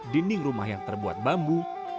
dinding rumah yang terbuat bambu